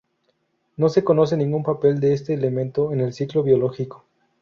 No se conoce ningún papel de este elemento en el ciclo biológico.